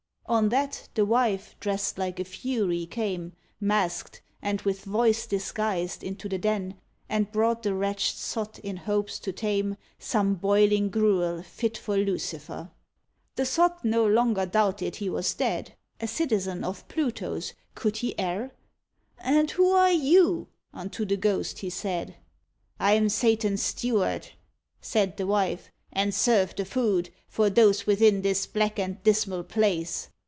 On that the wife, dressed like a Fury, came, Mask'd, and with voice disguised, into the den, And brought the wretched sot, in hopes to tame, Some boiling gruel fit for Lucifer. The sot no longer doubted he was dead A citizen of Pluto's could he err? "And who are you?" unto the ghost he said. "I'm Satan's steward," said the wife, "and serve the food For those within this black and dismal place."